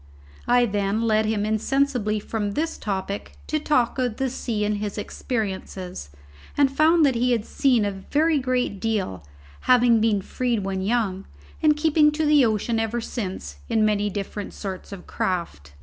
I then led him insensibly from this topic to talk of the sea and his experiences, and found that he had seen a very great deal, having been freed when young, and keeping to the ocean ever since in many different sorts of craft.